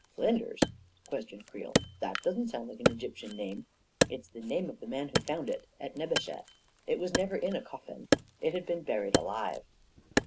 "Flinders?" questioned Creel. "That doesn't sound like an Egyptian name." " It's the name of the man who found it — at Nebesheh. It was never in a coffin. It had been buried alive."